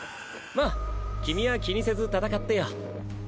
まっ君は気にせず戦ってよ。